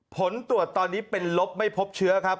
ผลตรวจตอนนี้เป็นลบไม่พบเชื้อครับ